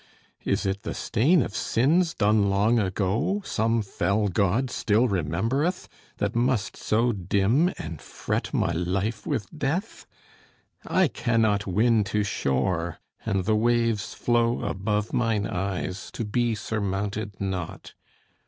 Is it the stain of sins done long ago, Some fell God still remembereth, That must so dim and fret my life with death? I cannot win to shore; and the waves flow Above mine eyes, to be surmounted not.